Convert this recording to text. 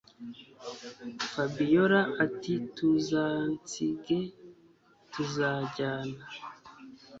Fabiora atituzansige tuzajyana